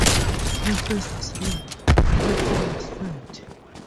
Her face was red, her form was fat.